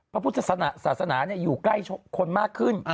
พระพุทธศาสนาอยู่ใกล้คนมากขึ้น